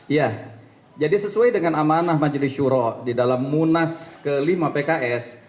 iya jadi sesuai dengan amanah majelis syuro di dalam munas ke lima pks